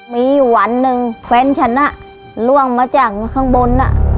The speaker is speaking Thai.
มีอยู่วันหนึ่งแฟนฉันล่วงมาจากข้างบน